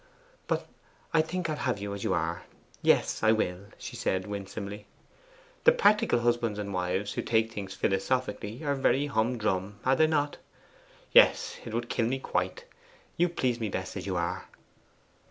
'But I think I'll have you as you are; yes, I will!' she said winsomely. 'The practical husbands and wives who take things philosophically are very humdrum, are they not? Yes, it would kill me quite. You please me best as you are.